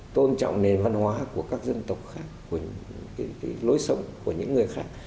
tôn trọng nền văn hóa của các dân tộc khác của những cái lối sống của những người khác